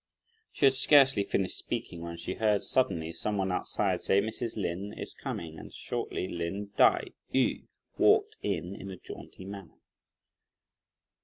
She had scarcely finished speaking, when she heard suddenly some one outside say, "Miss Lin is come;" and shortly Lin Tai yü walked in in a jaunty manner.